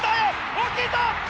大きいぞ！